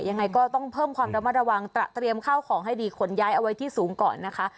ยังไงก็ต้องเพิ่มความระมัดระวังตระเตรียมข้าวของให้ดีขนย้ายเอาไว้ที่สูงก่อนนะคะ